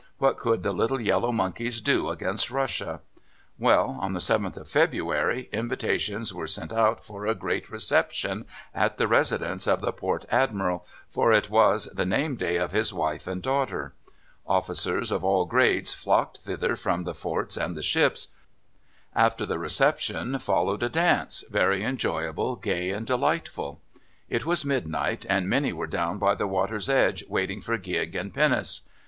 What could the little yellow monkeys do against Russia? Well, on the 7th of February invitations were sent out for a great reception at the residence of the Port Admiral, for it was the name day of his wife and daughter. Officers of all grades flocked thither from the forts and the ships. After the reception followed a dance, very enjoyable, gay, and delightful. It was midnight, and many were down by the water's edge waiting for gig and pinnace.